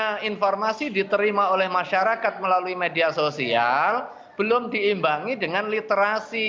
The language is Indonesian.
karena informasi diterima oleh masyarakat melalui media sosial belum diimbangi dengan literasi